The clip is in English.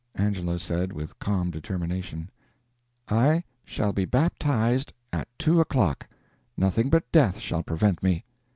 Angelo said, with calm determination: "I shall be baptized at two o'clock. Nothing but death shall prevent me."